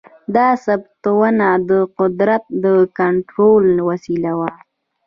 دا ثبتونه د قدرت د کنټرول وسیله وه.